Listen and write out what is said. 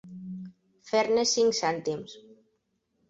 Fer-ne cinc cèntims.